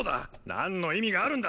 なんの意味があるんだ！？